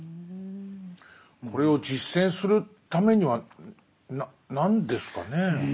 これを実践するためには何ですかね。